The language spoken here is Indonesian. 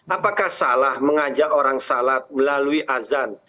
apakah salah mengajak orang salat melalui azan